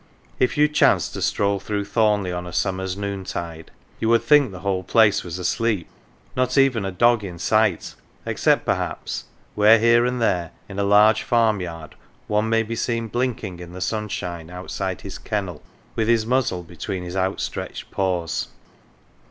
If you chanced to stroll through Thomleigh on a summer's noontide you would think the whole place was asleep not even a dog in sight, except, per haps, where here and there in a large farm yard one may be seen blinking in the sunshine outside his kennel with his muzzle between his outstretched paws.